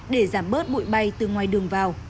để giảm bớt bụi bay từ ngoài đường vào